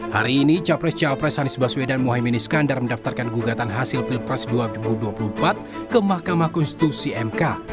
hari ini capres capres anies baswedan mohaimin iskandar mendaftarkan gugatan hasil pilpres dua ribu dua puluh empat ke mahkamah konstitusi mk